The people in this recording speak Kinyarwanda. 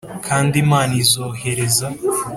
kandi imana izohereza